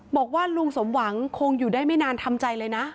บอกว่าลุงสมหวังคงอยู่ได้ไม่นานทำใจเลยนะ